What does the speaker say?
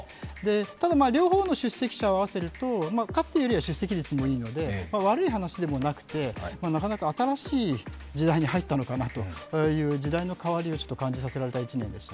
ただ、両方の出席者を合わせると、かつてよりは出席率がいいので悪い話でもなくて、なかなか新しい時代に入ったのかなという、時代の変わりを感じさせられた一年でした。